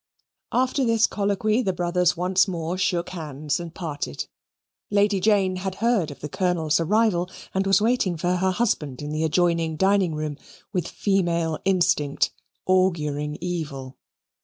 After this colloquy the brothers once more shook hands and parted. Lady Jane had heard of the Colonel's arrival, and was waiting for her husband in the adjoining dining room, with female instinct, auguring evil.